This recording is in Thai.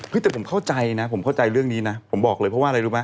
แต่ผมเข้าใจนะผมเข้าใจเรื่องนี้นะผมบอกเลยเพราะว่าอะไรรู้ไหม